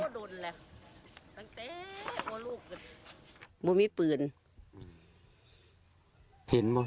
โอ้ดุลแหละพังแตะโก่ลูกก็น่ะไม่มีปืนเห็นเปล่า